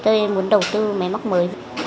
tôi muốn đầu tư máy móc mới